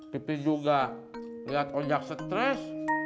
pipi juga lihat ojak stres